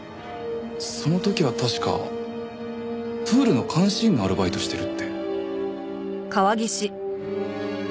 その時は確かプールの監視員のアルバイトをしてるって。